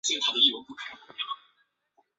多刺腔吻鳕为长尾鳕科腔吻鳕属的鱼类。